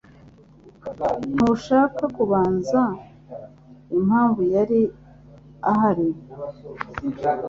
Ntushaka kumbaza impamvu yari ahari?